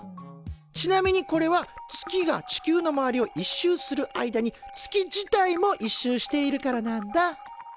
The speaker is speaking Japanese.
ちなみにこれは月が地球の周りを１周する間に月自体も１周しているからなんだ。